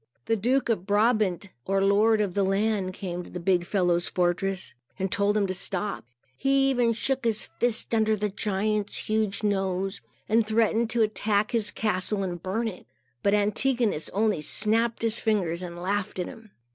The Duke of Brabant, or Lord of the land, came to the big fellow's fortress and told him to stop. He even shook his fist under the giant's huge nose, and threatened to attack his castle and burn it. But Antigonus only snapped his fingers, and laughed at him.